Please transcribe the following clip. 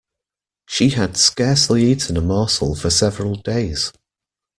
She had scarcely eaten a morsel for several days.